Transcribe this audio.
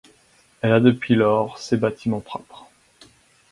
Elle a depuis lors ses bâtiments propres.